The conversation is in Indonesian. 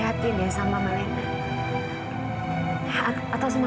hai ada apa cerita